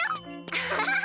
アハハハ！